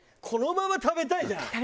このまま食べたいじゃん。